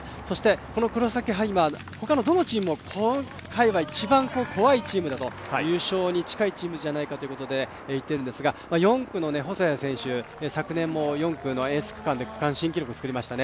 この黒崎播磨、他のどのチームも今回は一番怖いチームだと、優勝に近いチームじゃないかと言っているんですが、４区の細谷選手、昨年も４区のエース区間で区間新記録作りましたね。